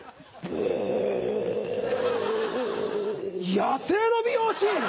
野生の美容師！